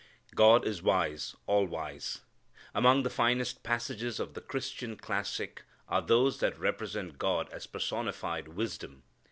God is wise, all wise. Among the finest passages of the' Christian's classic are those that represent God as personified wisdom.